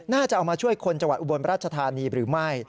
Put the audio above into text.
น่าจะเอามาช่วยคนจังหวัดอุบลราชธานีหรือไม่